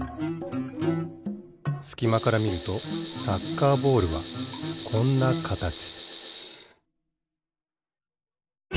すきまからみるとサッカーボールはこんなかたち